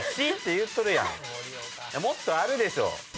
もっとあるでしょ。